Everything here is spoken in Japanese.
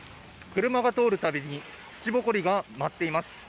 車が通る度に土ぼこりが舞っています。